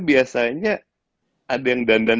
biasanya ada yang dandan